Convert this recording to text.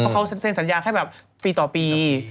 เขาเซ็นสัญญาแค่แบบปีต่อปี